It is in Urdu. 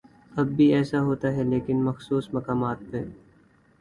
اب بھی ایسا ہوتا ہے لیکن مخصوص مقامات پہ۔